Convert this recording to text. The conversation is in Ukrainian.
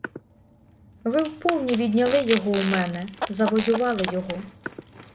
Ви вповні відняли його у мене, завоювали його.